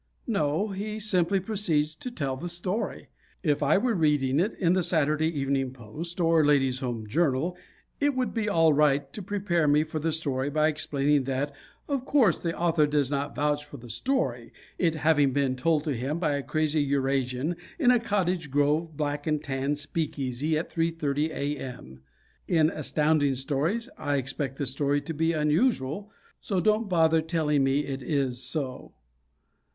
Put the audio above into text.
No, he simply proceeds to tell the story. If I were reading it in the Saturday Evening Post or Ladies Home Journal it would be all right to prepare me for the story by explaining that of course the author does not vouch for the story, it having been told to him by a crazy Eurasian in a Cottage Grove black and tan speakeasy at 3.30 A. M. In Astounding Stories I expect the story to be unusual, so don't bother telling me it is so.